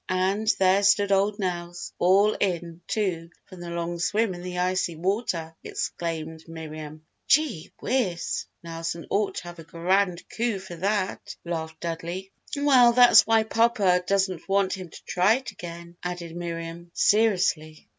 And there stood old Nelse all in, too, from the long swim in the icy water," explained Miriam. "Gee whiz! Nelson ought to have a Grand coup for that!" laughed Dudley. "Well, that's why Papa doesn't want him to try it again," added Miriam, seriously.